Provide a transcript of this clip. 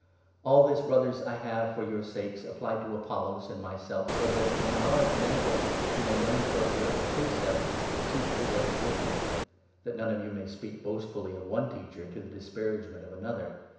All this, Brothers, I have, for your sakes, applied to Apollos 6 and myself, so that, from our example, you may learn to observe the precept —' Keep to what is written,' that none of you may speak boastfully of one teacher to the disparagement of another.